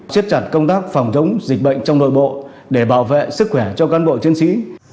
siết chặt công tác phòng chống dịch bệnh trong nội bộ để bảo vệ sức khỏe cho cán bộ chiến sĩ